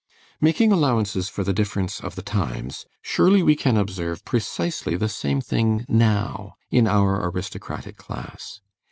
Making allowances for the difference of the times, surely we can observe precisely the same thing now in our aristocratic class.